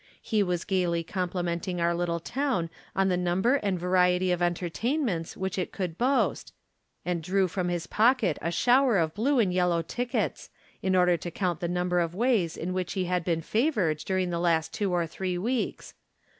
He was gayly complimenting our little town on the number and variety of entertainments which it could boast, and drew from his pocket a shower of blue and yellow tickets, in order to count the number of ways in which he had been favored during the last two or three weeks.